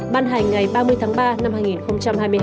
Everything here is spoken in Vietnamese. ban hành ngày ba mươi tháng ba năm hai nghìn hai mươi hai